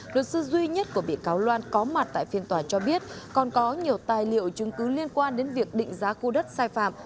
luật sư duy nhất của bị cáo loan có mặt tại phiên tòa cho biết còn có nhiều tài liệu chứng cứ liên quan đến việc định giá khu đất sai phạm